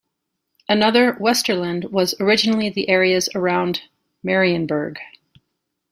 Another, Westerland, was originally the areas around Marienburg.